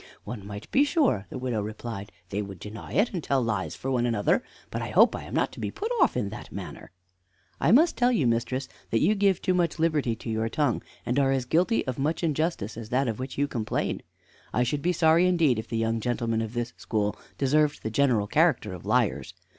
"One might be sure," the widow replied, "they would deny it, and tell lies for one another; but I hope I am not to be put off in that manner." "I must tell you, mistress, that you give too much liberty to your tongue, and are as guilty of as much injustice as that of which you complain. I should be sorry indeed if the young gentlemen of this school deserved the general character of liars.